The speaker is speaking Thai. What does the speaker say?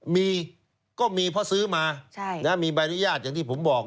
มีก็มีเพราะซื้อมามีใบอนุญาตอย่างที่ผมบอก